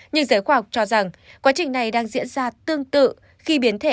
nhiều giới khoa học cho rằng quá trình này đang diễn ra tương tự khi biến thể